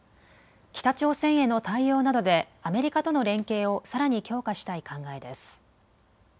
北朝鮮への対応などでアメリカとの連携をさらに強化したい考えです。